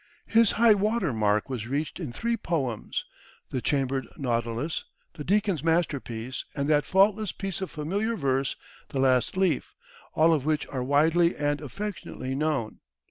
His highwater mark was reached in three poems, "The Chambered Nautilus," "The Deacon's Masterpiece," and that faultless piece of familiar verse, "The Last Leaf," all of which are widely and affectionately known.